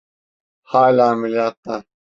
Hala ameliyatta.